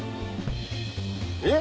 えっ！